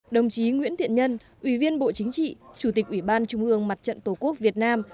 đồng chí nguyễn thiện nhân ủy viên bộ chính trị chủ tịch ủy ban trung ương mặt trận tổ quốc việt nam